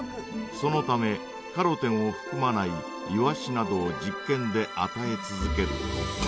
そのためカロテンをふくまないイワシなどを実験であたえ続けると。